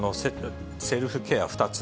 セルフケア２つ。